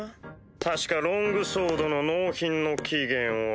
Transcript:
確かロングソードの納品の期限は。